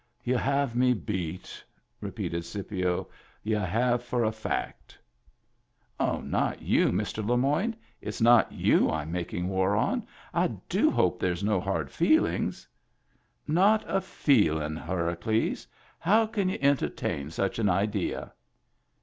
"Y'u have me beat," repeated Scipio. "Y'u have for a fact." "Not you, Mr. Le Moyne. It's not you I'm making war on. I do hope there's no hard feelings —"" Not a feelin', Horacles ! How can y'u enter tain such an idea?"